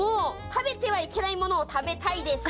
食べてはいけないものを食べたいです！